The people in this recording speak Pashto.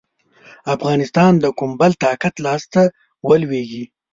افغانستان د کوم بل طاقت لاسته ولوېږي.